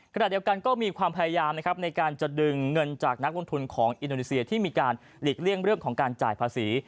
ขณะเดียวกันก็มีความพยายามนะครับในการจะดึงเงินจากนักลงทุนของอินโดนีเซียที่มีการหลีกเลี่ยงเรื่องของการจ่ายภาษี